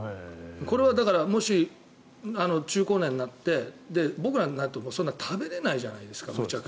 これはもし、中高年になって僕らになるとそんなにめちゃくちゃ食べれないじゃないですか。